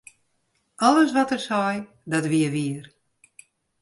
Alles wat er sei, dat wie wier.